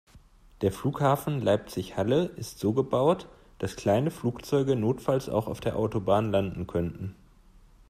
Der Flughafen Leipzig/Halle ist so gebaut, dass kleine Flugzeuge notfalls auch auf der Autobahn landen könnten.